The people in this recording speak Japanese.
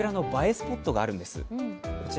スポットがあるんです。